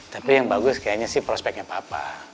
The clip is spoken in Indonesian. tapi yang bagus kayaknya sih prospeknya papa